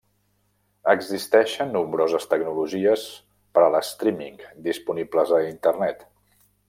Existeixen nombroses tecnologies per al streaming disponibles a Internet.